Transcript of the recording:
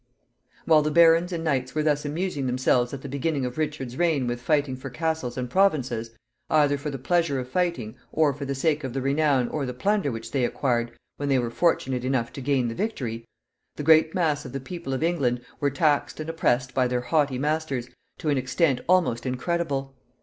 While the barons and knights were thus amusing themselves at the beginning of Richard's reign with fighting for castles and provinces, either for the pleasure of fighting, or for the sake of the renown or the plunder which they acquired when they were fortunate enough to gain the victory, the great mass of the people of England were taxed and oppressed by their haughty masters to an extent almost incredible.